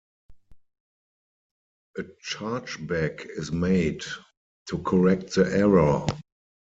A chargeback is made to correct the error.